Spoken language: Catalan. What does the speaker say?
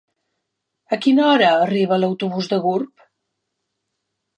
A quina hora arriba l'autobús de Gurb?